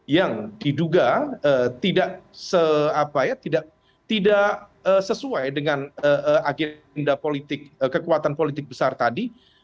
yang diduga tidak sesuai dengan agenda politik kekuatan politik besar tadi